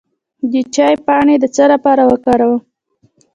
د چای پاڼې د څه لپاره وکاروم؟